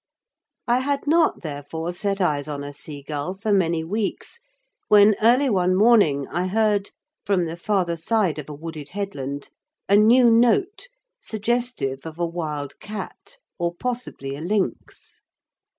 I had not therefore set eyes on a seagull for many weeks, when early one morning I heard, from the farther side of a wooded headland, a new note suggestive of a wild cat or possibly a lynx.